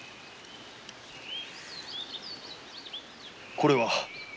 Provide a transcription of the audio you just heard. これは？